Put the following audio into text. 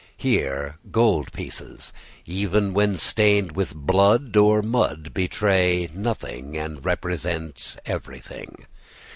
Here gold pieces, even when stained with blood or mud, betray nothing, and represent everything.